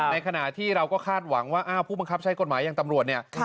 ในขณะที่เราก็คาดหวังว่าอ้าวผู้บังคับใช้กฎหมายอย่างตำรวจเนี่ย